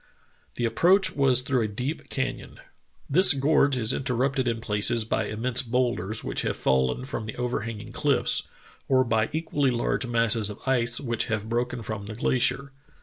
The approach was through a deep can yon. "This gorge is interrupted in places by immense bowlders which have fallen from the overhanging cliffs, or by equally large masses of ice which have broken from the glacier.